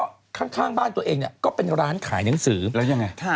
ก็ข้างบ้านตัวเองเนี่ยก็เป็นร้านขายหนังสือแล้วยังไง